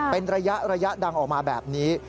เป็นระยะดังออกมาแบบนี้